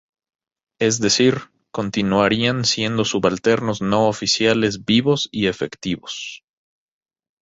Es decir, continuarían siendo subalternos, no oficiales vivos y efectivos.